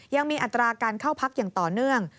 อัตราการเข้าพักอย่างต่อเนื่อง